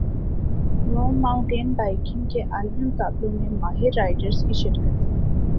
روم mountain biking کے عالمی مقابلوں میں ماہر رائیڈرز کی شرکت